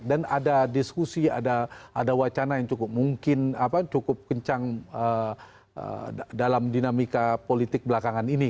dan ada diskusi ada wacana yang cukup kencang dalam dinamika politik belakangan ini